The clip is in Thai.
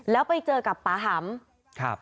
แล้วไปเจอกับปาหำ